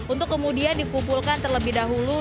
untuk kemudian dipukulkan terlebih dahulu